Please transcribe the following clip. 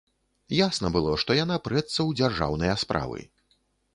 Ясна было, што яна прэцца ў дзяржаўныя справы.